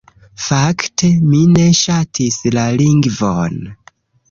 Fakte, mi ne ŝatis la lingvon.